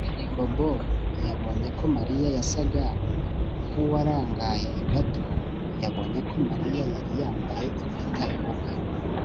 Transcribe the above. Bobo yabonye ko Mariya yasaga nkuwarangaye gato yabonye ko Mariya yari yambaye impeta yubukwe